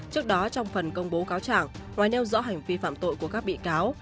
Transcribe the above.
trước đó trong phần công bố cáo trạng ngoài nêu rõ hành vi phạm tội của các bị cáo